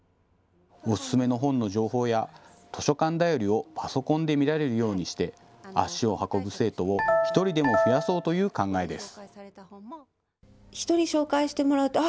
おすすめの本の情報や図書館便りをパソコンで見られるようにして足を運ぶ生徒を１人でも増やそうという考えです。